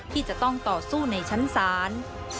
ที่จะต้องต่อสู้ในชั้นศาล